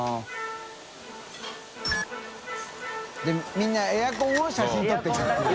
みんなエアコンを写真撮っていくっていう。